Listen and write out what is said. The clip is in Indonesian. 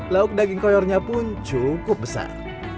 lauk daging koyornya pun cukup besar